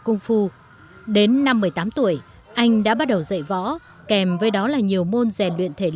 chúng tôi đã phát triển rất nhiều bức sách